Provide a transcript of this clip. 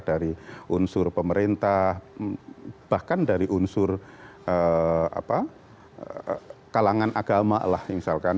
dari unsur pemerintah bahkan dari unsur kalangan agama lah misalkan